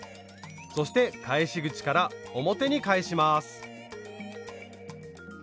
そして返し口から表に返します。